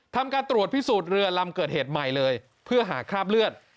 ทำการตรวจพิสูจน์เรือลำเกิดเหตุใหม่เลยเพื่อหาคราบเลือด